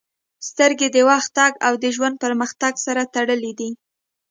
• سترګې د وخت تګ او د ژوند پرمختګ سره تړلې دي.